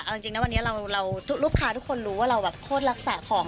เอาจริงนะวันนี้ลูกค้าทุกคนรู้ว่าเราแบบโคตรรักษาของ